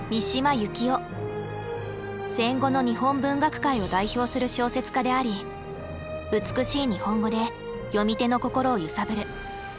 戦後の日本文学界を代表する小説家であり美しい日本語で読み手の心を揺さぶる。